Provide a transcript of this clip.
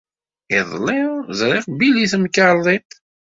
Iḍelli, ẓriɣ Bill deg temkarḍit.